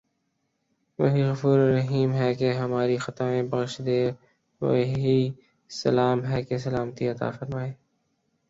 وہی غفورالرحیم ہے کہ ہماری خطائیں بخش دے وہی سلام ہے کہ سلامتی عطافرمائے